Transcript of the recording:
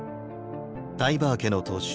タイバー家の当主